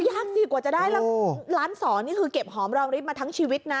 ยากสิกว่าจะได้แล้วล้านสองนี่คือเก็บหอมรอลิฟต์มาทั้งชีวิตนะ